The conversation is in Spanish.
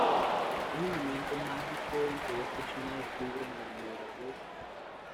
Es un momento mágico en que dos personas descubren el amor a la vez.